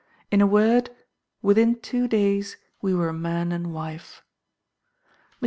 In a word, within two days we were man and wife. "Mr.